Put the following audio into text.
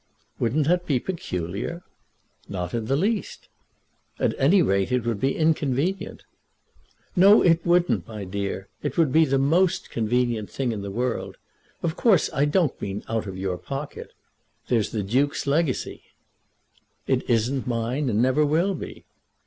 "Wouldn't that be peculiar?" "Not in the least." "At any rate it would be inconvenient." "No it wouldn't, my dear. It would be the most convenient thing in the world. Of course I don't mean out of your pocket. There's the Duke's legacy." "It isn't mine, and never will be."